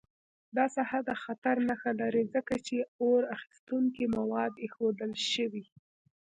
دا ساحه د خطر نښه لري، ځکه چې اور اخیستونکي مواد ایښودل شوي.